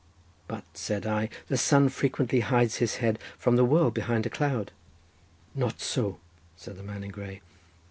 "But," said I, "the sun frequently hides his head from the world, behind a cloud." "Not so," said the man in grey.